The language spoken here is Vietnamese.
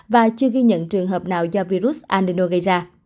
và chưa ghi nhận trường hợp nào do virus andeno gây ra